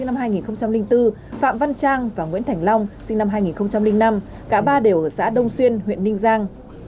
phạm quốc cường sinh năm hai nghìn bốn phạm văn trang và nguyễn thảnh long sinh năm hai nghìn năm cả ba đều ở xã đông xuyên huyện ninh giang